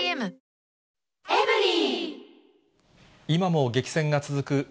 今も激戦が続く